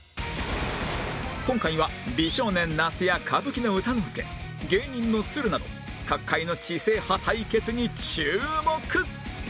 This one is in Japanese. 今回は美少年那須や歌舞伎の歌之助芸人の都留など各界の知性派対決に注目